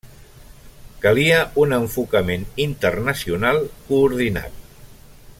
Calia un enfocament internacional coordinat.